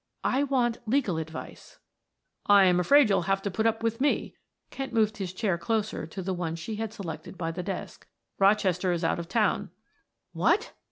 "I want legal advice." "I am afraid you will have to put up with me," Kent moved his chair closer to the one she had selected by the desk. "Rochester is out of town." "What!"